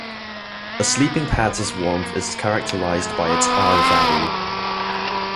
A sleeping pads's warmth is characterized by R-value.